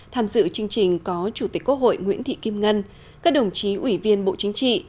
tham dự chương trình có chủ tịch quốc hội nguyễn thị kim ngân các đồng chí ủy viên bộ chính trị